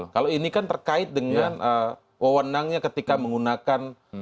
kalau ini kan terkait dengan wawonangnya ketika menggunakan